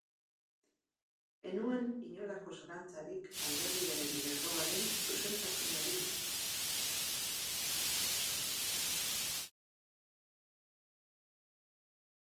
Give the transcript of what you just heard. Ez nuen inolako zalantzarik alderdiaren lerroaren zuzentasunari buruz.